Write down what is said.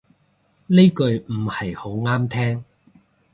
呢句唔係好啱聽